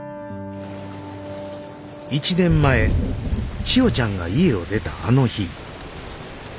１年前千代ちゃんが家を出たあの日。